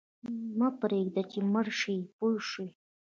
مه پرېږده چې مړ شې پوه شوې!.